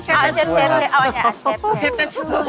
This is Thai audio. เชฟเอาอีกได้